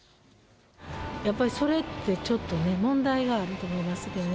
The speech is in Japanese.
やっぱりそれって、ちょっとね、問題があると思いますけどね。